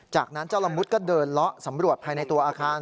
จากนั้นเจ้าละมุดก็เดินเลาะสำรวจภายในตัวอาคาร